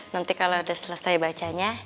nanti kalo udah selesai bacanya